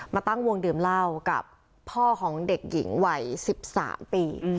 ตั้งวงดื่มเหล้ากับพ่อของเด็กหญิงวัย๑๓ปี